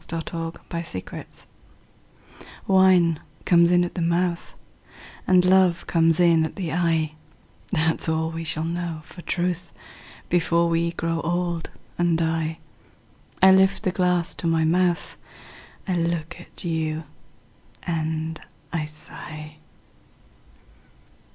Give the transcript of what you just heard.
A DRINKING SONG Wine comes in at the mouth And love comes in at the eye; That's all we shall know for truth Before we grow old and die. I lift the glass to my mouth, I look at you, and I sigh.